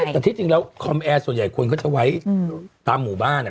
แต่ที่จริงแล้วคอมแอร์ส่วนใหญ่คนก็จะไว้ตามหมู่บ้าน